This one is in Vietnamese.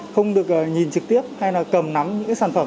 không được nhìn trực tiếp hay là cầm nắm những sản phẩm